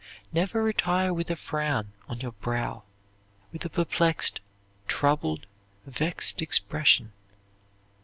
Never retire with a frown on your brow; with a perplexed, troubled, vexed expression.